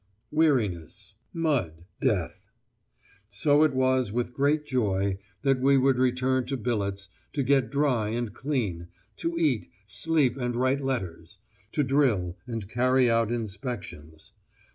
Weariness. Mud. Death. So it was with great joy that we would return to billets, to get dry and clean, to eat, sleep, and write letters; to drill, and carry out inspections.